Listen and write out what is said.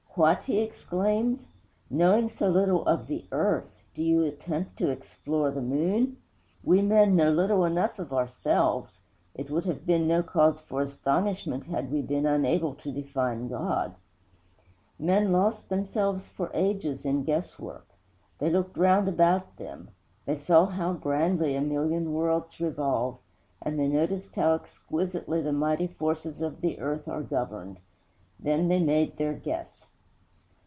'What?' he exclaims, 'knowing so little of the earth, do you attempt to explore the moon?' We men know little enough of ourselves: it would have been no cause for astonishment had we been unable to define God. Men lost themselves for ages in guess work. They looked round about them; they saw how grandly a million worlds revolve, and they noticed how exquisitely the mighty forces of the earth are governed. Then they made their guess.